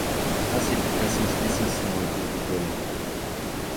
Аз и така съм слисан с мои главоболия.